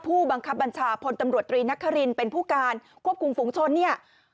ผู้บังคับบัญชาพลตำรวจตรีนครินเป็นผู้การควบคุมฝุงชนเนี่ย